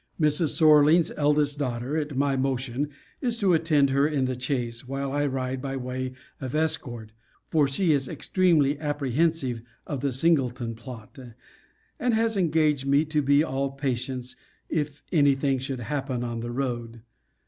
Mrs. Sorlings's eldest daughter, at my motion, is to attend her in the chaise, while I ride by way of escort: for she is extremely apprehensive of the Singleton plot; and has engaged me to be all patience, if any thing should happen on the road.